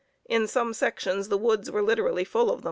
In some sections the woods were literally full of them.